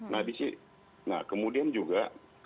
nah kemudian juga